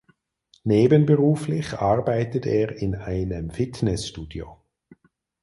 Nebenberuflich arbeitet er in einem Fitnessstudio.